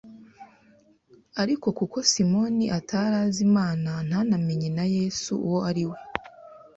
Ariko kuko Simoni atari azi Imana ntanamenye na Yesu uwo ari we